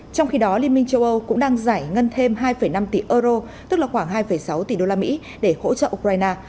trong khi đó liên minh châu âu cũng đang giải ngân thêm hai năm tỷ euro tức là khoảng hai sáu tỷ usd để hỗ trợ ukraine